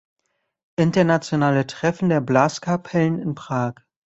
Internationale Treffen der Blaskapellen in Prag".